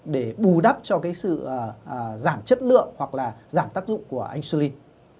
để bù đắp cho sự giảm chất lượng hoặc là giảm tác dụng của insulin